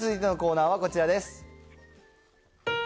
続いてのコーナーはこちらです。